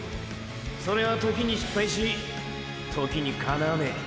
それは時に失敗し時に叶わねェ。